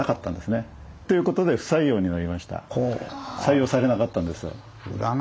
採用されなかったんです。